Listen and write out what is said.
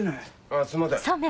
あすいません。